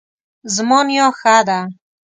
زما نیا ښه ده